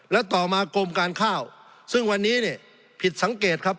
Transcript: แล้วต่อมากรมการข้าวซึ่งวันนี้เนี่ยผิดสังเกตครับ